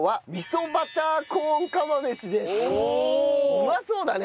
うまそうだね。